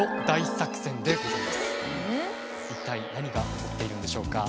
一体何が起こっているんでしょうか？